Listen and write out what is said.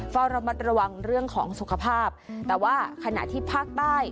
เฝ้าระมัดระวังเรื่องของสุขภาพแต่ว่าขณะที่ภาคใต้